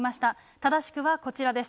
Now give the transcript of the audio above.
正しくはこちらです。